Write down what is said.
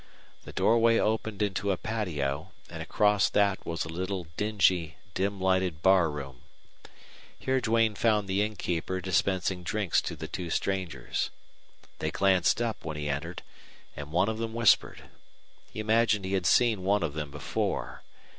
The doorway opened into a patio, and across that was a little dingy, dim lighted bar room. Here Duane found the innkeeper dispensing drinks to the two strangers. They glanced up when he entered, and one of them whispered. He imagined he had seen one of them before.